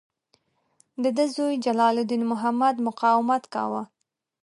د ده زوی جلال الدین محمد مقاومت کاوه.